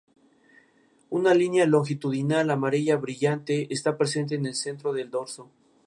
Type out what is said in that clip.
Una línea longitudinal amarilla brillante está presente en el centro del dorso.